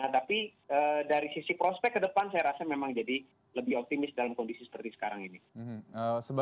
tapi dari sisi prospek ke depan saya rasa memang jadi lebih optimis dalam kondisi seperti sekarang ini